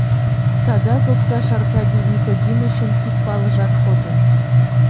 Кагаз оксаш Аркадий Никодимычын кид палыжат кодын.